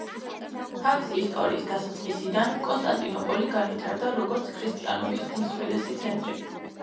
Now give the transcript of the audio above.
თავისი ისტორიის დასაწყისიდან კონსტანტინოპოლი განვითარდა როგორც ქრისტიანობის უმსხვილესი ცენტრი.